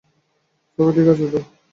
সবাই ঠিক আছ তো?